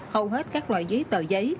hầu hết các loại giấy tờ giấy